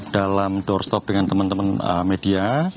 dalam doorstop dengan teman teman media